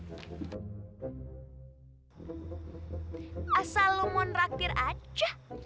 asal lo mau ngeraktir aja